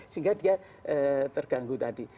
sehingga dia terganggu tadi